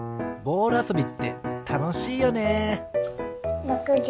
ボールあそびってたのしいよね。